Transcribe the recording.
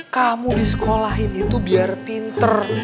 kamu disekolahin itu biar pinter